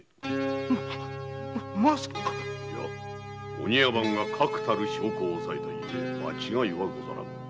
お庭番が確たる証拠を押さえたゆえ間違いはござらぬ。